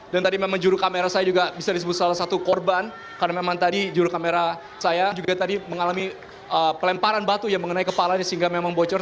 dan tadi memang juru kamera saya juga bisa disebut salah satu korban karena memang tadi juru kamera saya juga tadi mengalami pelemparan batu yang mengenai kepalanya sehingga memang bocor